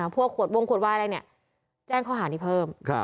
พวกขวดวงขวดว่ายแหล่งแจ้งข้อหานี้เพิ่ม